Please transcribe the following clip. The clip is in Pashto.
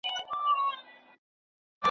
هری خواته یې شنېلۍ وې ښکارېدلې .